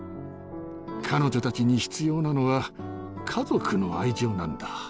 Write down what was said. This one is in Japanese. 彼女たちに必要なのは、家族の愛情なんだ。